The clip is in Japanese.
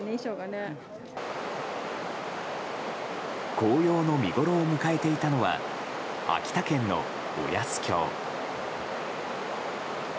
紅葉の見ごろを迎えていたのは秋田県の小安峡。